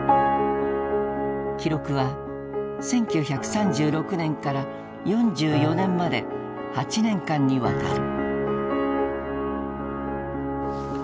記録は１９３６年から４４年まで８年間に渡る。